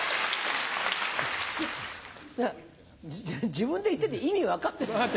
自分で言ってて意味分かってるんですか？